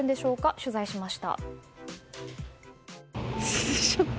取材しました。